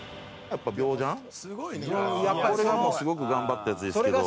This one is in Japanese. やっぱりこれがすごく頑張ったやつですけど。